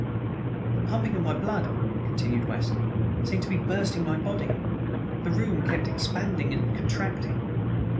"The pumping of my blood," continued West, "seemed to be bursting my body; the room kept expanding and contracting.